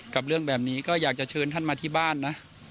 เรื่องแบบนี้ก็อยากจะเชิญท่านมาที่บ้านนะ